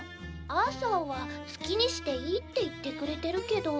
アーサーはすきにしていいって言ってくれてるけど」。